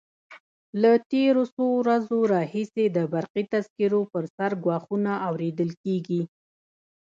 له تېرو څو ورځو راهیسې د برقي تذکرو پر سر ګواښونه اورېدل کېږي.